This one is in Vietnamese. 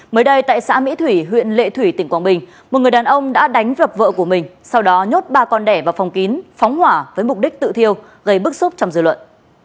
mới đây tại xã mỹ thủy huyện lệ thủy tỉnh quảng bình một người đàn ông đã đánh sập vợ của mình sau đó nhốt ba con đẻ vào phòng kín phóng hỏa với mục đích tự thiêu gây bức xúc trong dư luận